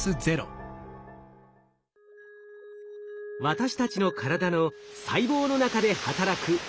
私たちの体の細胞の中で働くＤＮＡ。